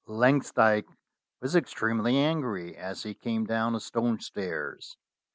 Langsdyke was extremely angry as he came down the stone stairs.